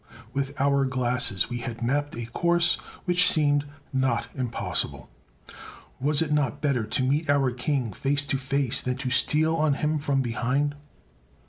With our glasses we had mapped a course which seemed not impossible; was it not better to meet our king face to face than to steal on him from behind?